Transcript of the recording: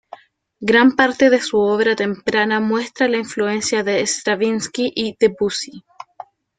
Gran parte de su obra temprana muestra la influencia de Stravinsky y Debussy.